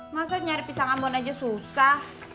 masa nyari pisang ambon aja susah